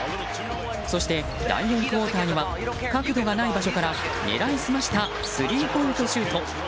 そして第４クオーターには角度がない場所から狙い澄ましたスリーポイントシュート！